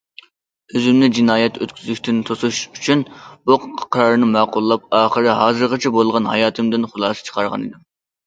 ئۆزۈمنى جىنايەت ئۆتكۈزۈشتىن توسۇش ئۈچۈن بۇ قارارنى ماقۇللاپ ئاخىرى ھازىرغىچە بولغان ھاياتىمدىن خۇلاسە چىقارغانىدىم.